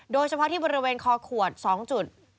โดยเฉพาะที่บริเวณคอขวด๒จุด